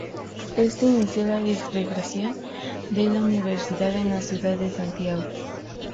Esto inició la disgregación de la Universidad en la ciudad de Santiago.